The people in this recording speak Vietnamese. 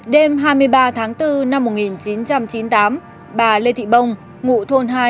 đêm hai mươi ba tháng bốn năm một nghìn chín trăm chín mươi tám bà lê thị bông ngụ thôn hai